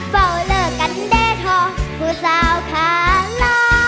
เฝ้าเลิกกันได้ท้อผู้สาวขาล้อ